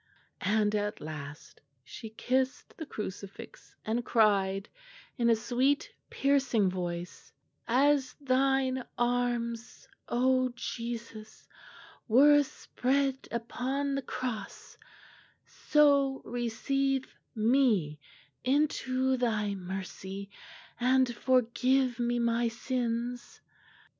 "And at last she kissed the crucifix and cried in a sweet piercing voice, 'As thine arms, O Jesus, were spread upon the Cross, so receive me into Thy mercy and forgive me my sins!'"